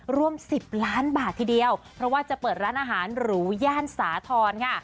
รวม๑๐ล้านบาททีเดียวเพราะว่าจะเปิดร้านอาหารหรูย่านสาธรณ์ค่ะ